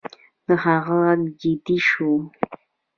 د هغه غږ جدي شو